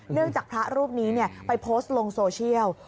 เนื่องจากพระรูปนี้เนี่ยไปโพสต์ลงโซเชียล